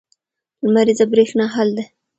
لمریزه برېښنا حل دی.